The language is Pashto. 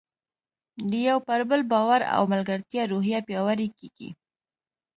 د یو پر بل باور او ملګرتیا روحیه پیاوړې کیږي.